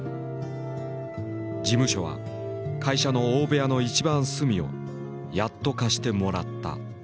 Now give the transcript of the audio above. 事務所は会社の大部屋の一番隅をやっと貸してもらった。